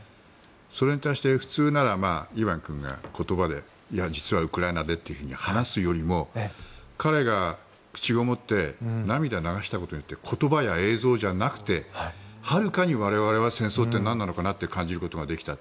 それに対して、普通ならイバン君が言葉でいや、実はウクライナでと話すよりも彼が口ごもって涙を流したことによって言葉や映像じゃなくてはるかに我々は戦争ってなんなのかなって感じることができた。